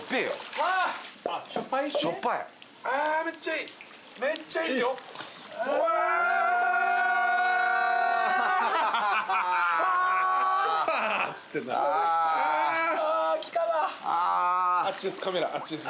あっちです